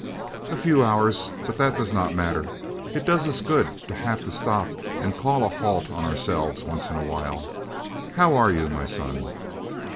"A few hours, but that does not matter; it does us good to have to stop and call a halt on ourselves once in a while. How are you, my son?"